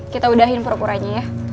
kita udahin pura puranya ya